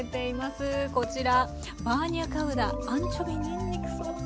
こちらバーニャカウダアンチョビにんにくソース。